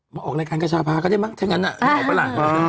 มาออกรายการกระชาภารก็ได้มั้งถ้างั้นโผล่ละ